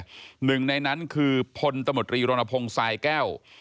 หนึ่งในนั้นคือพลตมตรีรณพงศ์สายแก้ว